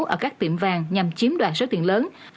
ở các tiệm vàng nhằm chiếm đoạt số tiền lớn